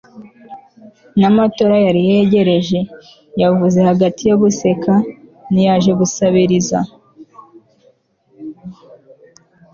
nta matora yari yegereje, yavuze, hagati yo guseka. ntiyaje gusabiriza